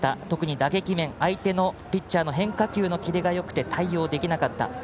特に打撃面、相手のピッチャーの変化球のキレがよくて対応できなかった。